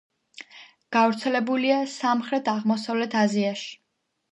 გავრცელებულია სამხრეთ-აღმოსავლეთ აზიაში.